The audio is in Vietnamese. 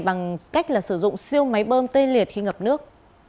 bằng cách là sử dụng siêu máy bơm tê liệt khi ngập nước